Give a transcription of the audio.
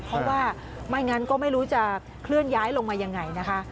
เพราะว่าไม่งั้นก็ไม่รู้จะเคลื่อนย้ายลงมายังไงนะคะ